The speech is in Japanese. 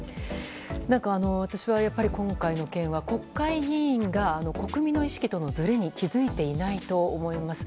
私は今回の件は国会議員が国民の意識とのずれに気づいていないと思います。